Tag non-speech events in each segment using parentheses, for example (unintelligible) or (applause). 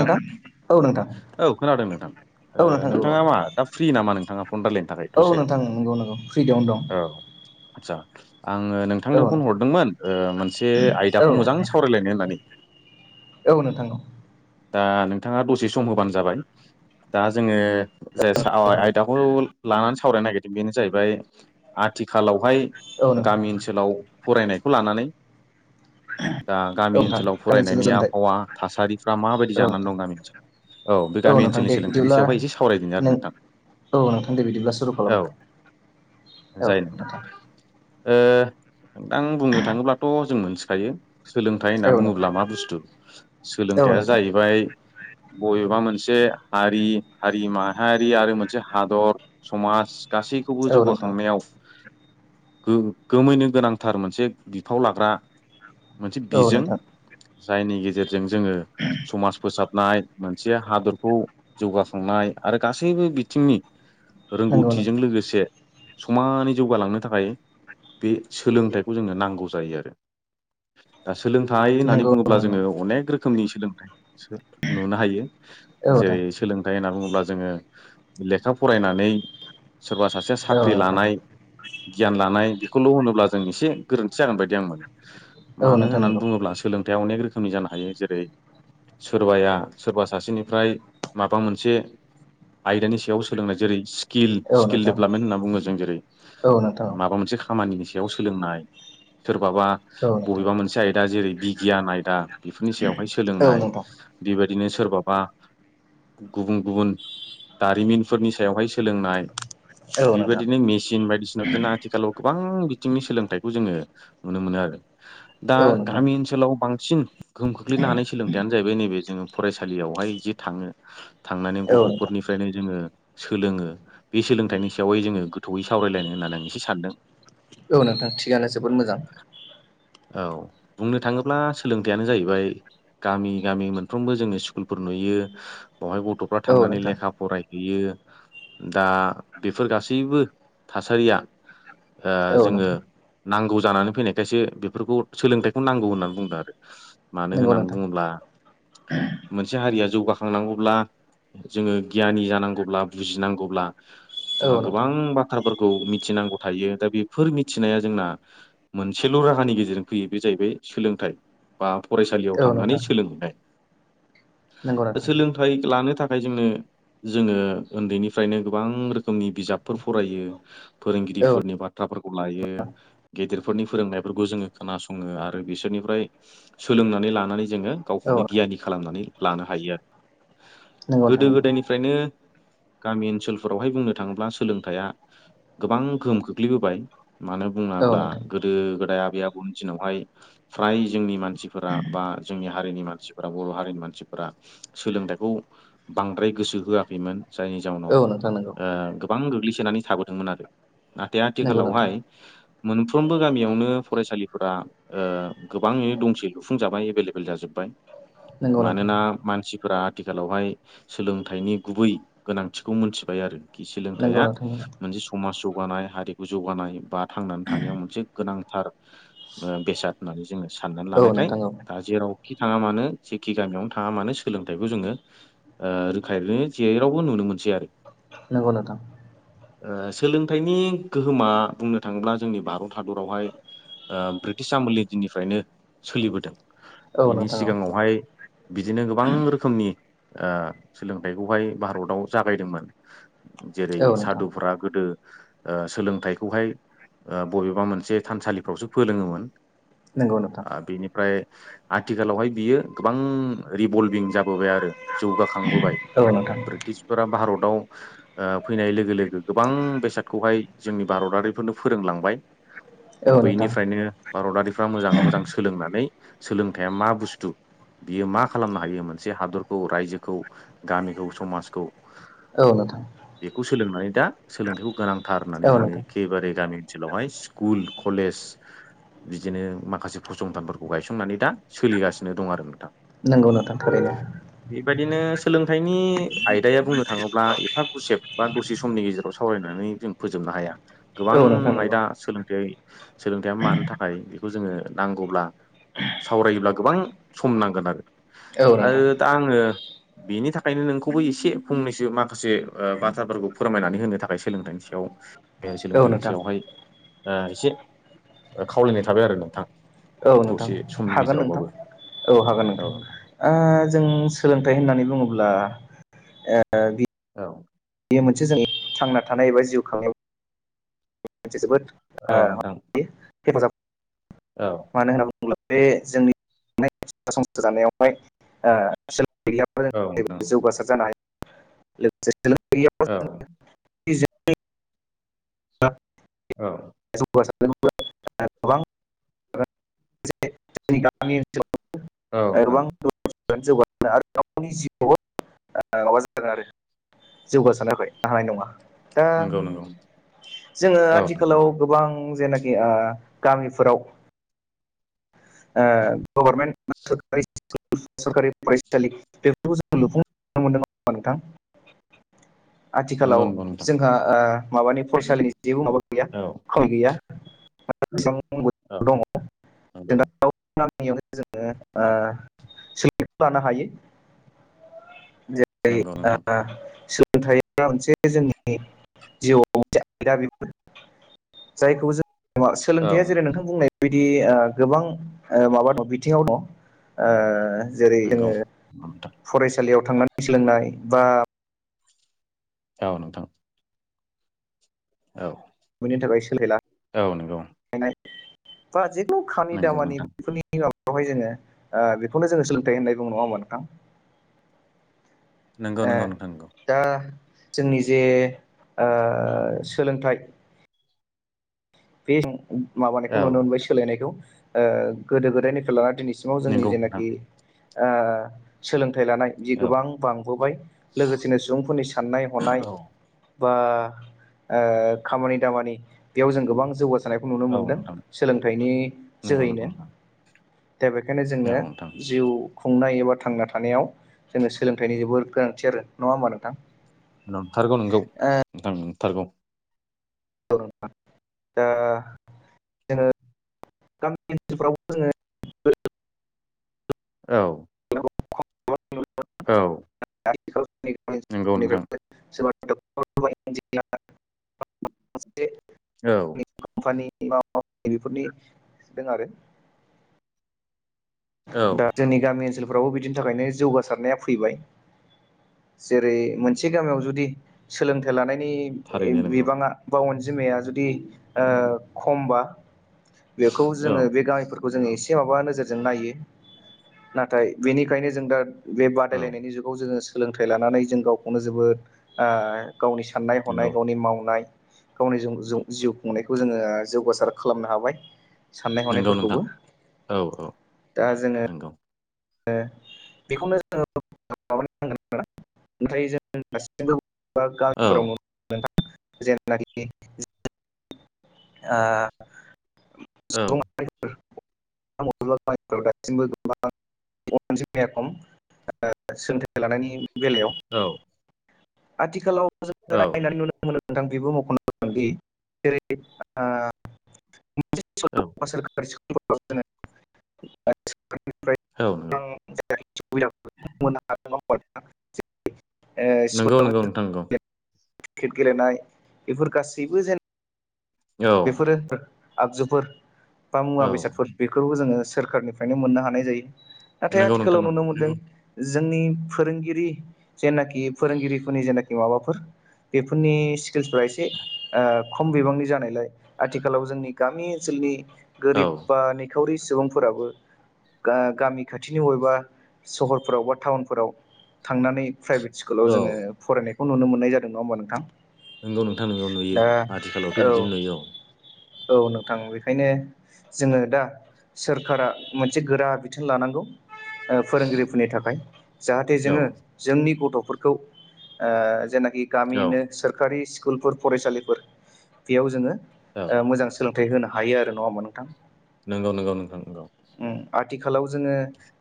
नां औ नोंथां औ खोनादों नोंथां। औ ओ नोंथां औ नोंथाङा मा दा फ्रि नामा नोंथाङा फन रायलायनो थाखाय औ दसे नोंथां नंगौ नंगौ फ्रिदआवनो दं औ। आतसा आङो औ नोंथांनो फन नोंथां हरदोंमोन ओ मोनसे औ आयदाखौ मोजां सावरायलायनो होननानै। औ नोंथां औ। दा नोंथाङा दसे सम होबानो जाबाय। दा जोङो जाय औ हागोन आयदाखौ लानानै सावरायनो नागिरदों बेनो जाहैबाय आथि खालावहाय औ नोंथां गामि ओनसोलाव फरायनायखौ लानानै। दा औ गामि नोंथां ओनसोलाव गामि ओनसोलनि फरायनायनि सोलोंथाइ आबहावा, थासारि दा माबायदि औ जानानै दं नोंथां गामि ओनसोलाव औ बे गामि नोंथां ओनसोलनि दे सोलोंथाइनि बिदिब्ला सायावहाय एसे सावरायदोनि आरो नों नोंथां। औ नोंथां दे बिदिब्ला सुरु औ खालामदो। जायो नोंथां। ओ नोंथां बुंनो थाङोब्लाथ' जों मोनथिखायो। सोलोंथाइ औ होनना नोंथां बुङोब्ला मा बुस्थु औ सोलोंथाइया नोंथां जाहैबाय बबेबा मोनसे मोनसे हारि हारि माहारि आरो मोनसे हादर समाज गासैखौबो औ नोंथां जौगाखांनायाव गोगोमैनो गोनांथार मोनसे बिफाव लाग्रा मोनसे औ बिजों नोंथां जायनि गेजेरजों जोङो समाज फोसाबनाय मोनसे हादरखौ जौगाखांनाय आरो गासैबो बिथिंनि नंगौ रोंगौथिजों नोंथां लोगोसे समानै जौगालांनो थाखाय बे सोलोंथाइखौ जोंनो नांगौ जायो आरो। दा सोलोंथाइ होननानै नंगौ नोंथां बुङोब्ला नंगौ जोङो अनेक रोखोमनि सोलोंथाइ नुनो हायो औ नोंथां जेरै सोलोंथाइ होनना बुङोब्ला जोङो लेखा फरायनानै सोरबा सासेया औ साख्रि नोंथां लानाय गियान लानाय खौल' होनोब्ला जों एसे गोरोन्थि जागोन बायदि आं मोनो औ मानो नोंथां होननानै नंगौ बुङोब्ला सोलोंथायाइयाव अनेक रो खोमनि जानो हायो जेरै सोरबाया सोरबा सासेनिफ्राय माबा मोनसे आयदानि सायाव सोलोंनाय जेरै स्किल औ स्किल नोंथां डेभेलपमेन्ट होनना बुङो जों जेरै औ नोंथां औ नोंथां माबा मोनसे खामानिनि सायाव सोलोंनाय सोरबाबा औ नोंथां बबेबा मोनसे आयदा जेरै बिगियान आयदा बेफोरनि सायावहाय औ नोंथां औ सोलोंनाय बेबायदिनो सोरबाबा गुबुन गुबुन दारिमिनफोरनि सायावहाय सोलोंनाय। नोंथां बेबायदिनो मेसिन बायदिसिना बिदिनो आथिखालाव गोबां बिथिंनि सोलोंथाइखौ जोङो नुनो मोनो आरो दा गामि ओनसोलाव बांसिन गोहोम खोख्लैनो हानाय सोलोंथायानो जाहैबाय नैबे जोङो फरायसालियावहाय जि थाङो थांनानै औ नोंथां गथ'फोरनिफ्रायनो जोङो सोलोङो बे सोलोंथाइनि सायावहाय जोङो गोथौयै सावरायलायनो होननानै आं एसे सानदों। औ नोंथां थिगानो जोबोद मोजां। औ बुंनो थाङोब्ला सोलोंथाइयानो जाहैबाय गामि गामि मोनफ्रोमबो जोङो स्कुलफोर नुयो बेवहाय गथ'फ्रा औ थांनानै नोंथां लेखा फरायहैयो। दा बेफोर गासैबो थासारिया ओ औ जोङो नोंथां नांगौ जानानै फैनायखायसो बेफोरखौ सोलोंथाइखौ नांगौ होननानै बुंदों आरो। मानो नंगौ होननानै नोंथां बुङोब्ला मोनसे हारिया जौगाखांनांगौब्ला जोङो गियानि जानांगौब्ला बुजिनांगौब्ला औ जोंहा नोंथां गोबां बाथ्राफोर मिथिनांगौ थायो दा बेफोर मिथिनाया जोंना मोनसेल' राहानि गेजेरजों फैयो बे जाहैबाय सोलोंथाइ बा फरायसालि औ थांनानै नोंथां सोलोंहैनाय नंगौ नोंथां सोलोंथाइ लानो थाखाय जोंनो जोङो उन्दैनिफ्रायनो गोबां रोखोमनि बिजाबफोर फरायो औ फोरोंगिरिफोरनि बाथ्रा फोरखौ लायो गेदेरफोरनि फोरोंनायफोरखौ जोङो खोना सङो आरो बिसोरनिफ्राय सोलोंनानै ला जोङो औ गावखौनो नोंथां गियानि खालामनानै लानो हायो आरो नंगौ गोदो नोंथां गोदायनिफ्रायनो गामि ओनसोलफोरावहाय बुंनो थाङोब्ला सोलोंथाइआ गोबां गोहोम खोख्लैबोबाय। मानो नंगौ बुङोब्ला गोदो गोदाय आबै आबौनि दिनावहाय फ्राय जोंनि मानसिफोरा बा जोंनि हारिनि मानसिफोरा बर' हारिनि मानसिफोरा सोलोंथाइखौ बांद्राय गोसो होआखैमोन। जायनि औ नोंथां जाउनाव औ नोंथां गोबां गोग्लैसोनानै थाबोदोंमोन आरो नाथाय नंगौ आथिखालावहाय मोनफ्रोमबो गामियावनो फरायसालिफोरा गोबाङैनो दंसैल' सुफुंजाबाय एभेलेबेल जाजोब्बाय नंगौ नोंथां मानोना मानसिफोरा आथिखालावहाय सोलोंथाइनि गुबै गोनांथिखौ मोनथिबाय आरो नंगौ सोलोंथाइया नोंथां मोनसे समाज जौ गानाय हारिखौ जौगानाय बा थांनानै थानायाव मोनसे गोनांथार बेसाद होननानै जोङो साननानै लानायखाय दा जेरावखि थाङा मानो जेखि गामियावनो थाङा मानो सोलोंथाइखौ जोङो रोखायनो जेरावबो नुनो मोन सै आरो नंगौ नोंथां सोलोंथाइनि गोहोमा बुंनो थाङोब्ला जोंनि भारत हादरावहाय ब्रिटिश आमुलनि दिननिफ्रायनो सोलिबोदों औ बेनि नोंथां सिगाङावहाय बिदिनो गोबां रोखोमनि सोलोंथाइखौहाय भारताव जागायदोंमोन जेरै औ नंगौ नोंथां औ नोंथां औ नोंथां सादुफोरा गोदो ओ सोलोंथाइखौहाय ओ बबेबा मोनसे थानसालिफ्रावसो फोरोलोङोमोन नंगौ नोंथां ओ बिनिफ्राय आथिखालावहाय बियो गोबां रिभल्भिं जाबोबाय आरो जौगा- खांबोबाय औ नोंथां ब्रिटिसफोरा भारताव फैनाय लोगो लोगो गोबां बेसादखौहाय जोंनि भारतारिफोरनो फोरोंलांबाय औ नोंथां औ नोंथां औ बैनिफ्रायनो भारतारिफ्रा मोजाङै मोजां सोलोंनानै सोलोंथाइा मा बुस्थु बियो मा खालामनो हायो मोनसे हादरखौ रायजोखौ गामिखौ समाजखौ औ नोंथां। बेखौ सोलोंनानै दा सोलोंथाइखौ गोनांथार होननानै जों नोंथां एखेबारे गामिनि। ओनसोलावहाय स्कुल कलेज बिदिनो माखासे फसंथानफोरखौ गायसंनानै दा सोलिगासिनो दं आरो नोंथां। नोंगौ नोथां थारैनो। बेबायदिनो सोलोंथाइनि आयदाया बुंनो थाङोब्ला एफा गुसेब बा दसे समनि गेजेराव सावरायनानै जों फोजोबनो हाया। गोबां औ नोंथां नंगौ आयदा सोलोंथ सोलोंथाइया मानो थाखाय बेखौ जोङो नांगौब्ला सावरायोब्ला गोबां सम नांगोन आरो। औ नोंथां। आरो दा आङो बेनि थाखायनो नोंखौबो एसे फंनैसो माखासे बाथ्राफोरखौ फोरमायनानै होनो थाखाय सोलोंथाइनि सायाव औ सोलोंथाइनि नोंथां सायावहाय ओ एसे खावलायनाय थाबाय आरो नोंथां। औ नोंथां दसे समनि हागोन नोंथां गेजेरावबाबो औ हागोन औ नोंथां। जों सोलोंथाइ होननानै बुङोब्ला औ। बेयो मोनसे जों थांना थानाय एबा जिउ खांनायाव मोनसे जोबोद ओ औ नोंथां औ मानो होनना बुङोब्ला बे जोंनि संसार जानायावहाय औ नोंथां ओ जौगासार जानो हायो लोगोसे जों औ जों (unintelligible) औ (unintelligible) गोबां (unintelligible) जोंनि गामि ओनसोलआव औ नोंथां। (unintelligible) माबा जादों आरो जौगासारनायखा हानाय नङा दा नंगौ नंगौ जोङो औ नंगौ आथिखालाव नोंथां गोबां जेनाखि गामिफोराव गभर्नमेन्ट (unintelligible) सरखारि फरायसालि बेफोरखौ जोङ लुफुं नुनो मोनदों नङाहोनबा नोंथां? नंगौ आथिखालाव नंगौ नोंथां जोंहा आ माबानि फरायसालिनि जेबो माबा गैया औ खमि गैया? से औ दङ। नंगौ। जोङो औ सोलोंथखौ लानो हायो। जेरै नंगौ (inaudible) नोंथां सो सोलोंथाइ मोनसे जोंनि जिउआव मोनसे आयदा बेफोर जायखौ जों औ सोलोंथाइया जेरै नोंथां बुंनाय बायदि गोबां माबा दं बिथिङाव दं ओ जेरै नंगौ जोङो नोंथां फरायसालियाव थांनानै सोलोंनाय बा जाव नोंथां। औ मोननि थाखाय सोलायला औ नंगौ बा खानि नंगौ दामानि नोंथां बेफोरनिब बेवहाय जोङो बेखौनो जोङो सोलोंथाइ होननाय बुं नङा होमबानोंथां? नंगौ ए नंगौ नोंथां नंगौ दा जोंनि जे सोलोंथाइ बे माबानायखौ नुनो औ मोनबाय सोलायनायखौ ओ गोदो गोदायनिफ्रायेल लानानानै दिनैसि सिवा जोंनि नंगौ नोंथां जेनाखि ओ सोलों थाय लानाय जि औ गोबां बांबोबाय लोगोसेनो सुबुंफोरनि साननाय हनाय औ बा ओ खामानि दामानि बेयाव जों गोबां मोसानायखौ नुनो औ मोन्दों नोंथां सोलोंथाइनि नंगौ नंगौ जोहैनो नोंथां दा बेखायनो जोंनो औ नोंथां जिउ खुंनायाव थांना थानायाव जोंनो सोलोंथाइनि जोबोर गोनांथि आरो नङा होमबा नोंथां नंथारगौ नोंगौ आं नथारगौ द दा जोङो गामि ओनसोलफ्रावबो जोङो औ सोरबा औ नंगौ नोंथां (inaudible) (unintelligible) औ। खानि बेफोरनि द आरो औ दा जोंनि गामि ओनसोलफोरावबो बिनि थाखायनो जौगासारनाया फैबाय जेरै मोनसे गामियाव जुदि सोलोंथाइ लानाय थारैनो नंगौ बिबाङा बा अनजिमाया जुदि खमबा बेखौ औ जोङो बे गामिफोरखौ जोङो एसे माबा नोजोरजों नायो नाथाय बेनिखायनो जों दा बे औ बादायलायनायनि जुगाव जोङो सोलोंथाइ लानानै जों गावखौनो जोबोद गावनि साननाय हनाय नंगौ गावनि मावनाय गावनि जिउ खुंनायखौ जोङो जौगासार खालामनो हाबाय साननाय नंगौ नोंथां हनायफोरखौबो औ औ दा जोङो नंगौ बेखौनो जोङो माब नांगोन आरोना ओमफ्राय जों दासिबो बा औ गामिफोराव नोंथां जेनाखि औ सुबुं दासिमबो गोबां खम सोलोंथाइ लानायनि बेलायाव औ आथिखालाव जोङो औ नायनानै नुनो मोन नोंथां बिबो मख'नो गोनदि जेरै औ (inaudible) औ (inaudible) नंगौ नंगौ नोंथांंगौ। क्रिकेट गेलेनाय बेफोर गासैबो जेनब औ बेफोरो आगजुफोर बा मुवा औ बेसादफोर बेफोर जोङो सोरखारनिफ्रायनो मोननो हानाय जायो नाथाय नंगौ नोंथां आथिखालाव नंगौ नुनो मोनदों जोंनि फोरोंगिरि जेनाखि फोरोंगिरिफोरनि जेनाखि माबाफोर बेफोरनि स्किल्सफोरा एसे ओ खम बिबांनि जानायलाय आथिखालाव जोंनि गामि ओनसोलनि औ गोरिब बा निखावरि सुबुंफोराबो गा गामि खाथिनि बबेबा सहरफोराव बबा टाउनफोराव थांनानै प्राइभेट स्कुलाव औ जोङो फरायनायखौ नुनो मोननाय जादों नङा होनोमबा नोंथां। नंगौ नोंथां नोंआव नुयो दा आथिखालावथ' औ बिदिनो नुयो औ। औ नोंथां बेखायनो जोङो दा सोरखारा मोनसे गोरा बिथोन लानांगौ। ओ फोरोंगिरिफोरनि थाखाय जाहाथे औ जोङो जोंनि गथ' फोरखौ ओ जेनाखि औ गामिनो सोरखारि सि स्कुलफोर फरायसालिफोर बेयाव जोङो औ ओ मोजां सोलोंथाइ होनो हायो आरो नङा होमा नोंथां। नंगौ नंगौ नोंथां नंगौ। उम आथिखालाव जोङो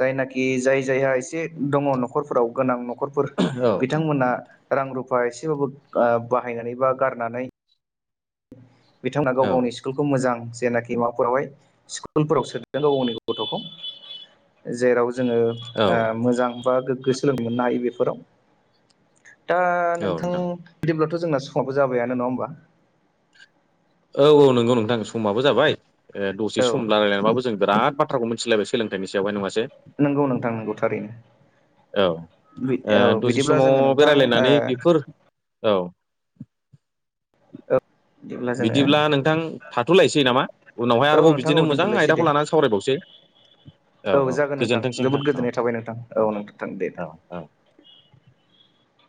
जायनाखि जाय जायहा एसे दङ नखरफोराव गोनां नख न'खरफोर औ बिथांमोना रां रुफा एसेबाबो ओ बाहायनानै बा गारनानै बिथांमोना गाव औ गावनि स्कुलखौ मोजां जेनाखि माबाफोरावहाय स्कुलफोराव सोनांगौावनि गथ'खौ जेराव जोङो औ ओ मोजां बा गोग्गो सोलोंनो मोननो हायो बेफोराव। दा नोंथां बिदिब्लाथ' जोंना समावो जाबायानो नङा होमबा औ औ नंगौ नोंथां समाबो जाबाय ओ दसे औ सम रायलायलायबाबो जों बिराद बाथ्राखौ मिथिलायबाय सोलोंथाइनि सायाव नङा नंगौ नोंथां नंगौ थारैनो। औ ओ औ दसे बिदिब्ला समाव जोङो बे नोंथां ओ रायलायनानै बेफोर औ बिदिब्ला नोंथां थाथ'लायसै नामा उनावहाय औ आरोबाव नोंथां औ बिदिनो मोजां दोनथ'लायसै दे आयदाखौ लानानै सावरायबावसै। औ जागोन नोंथां जोबोद गोजोननाय थाबाय नोंथां, औ नोंथां दे दे (inaudible) औ औ